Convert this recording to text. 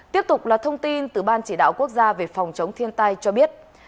tiếp tục là thông tin từ ban chỉ đạo quốc gia về phòng chống thiên tai cho biết